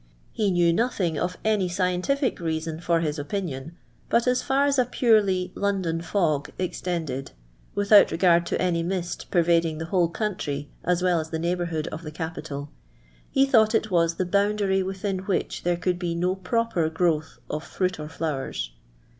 He knew nothing of any scientific reason for his opinion, but as far as a purely London fog extended (witliout regard to any mist pervading the whole country as well as the ncighbourluTod of the capital), he thought it was the Ixnmdary within which thure could be no proper growth of fruit or flowers.